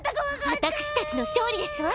私たちの勝利ですわ。